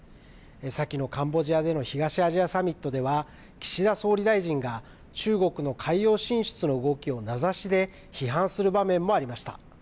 先などカンボジアでの東アジアサミットでは、岸田総理大臣が中国の海洋進出の動きを名指しで批判する場面もありました。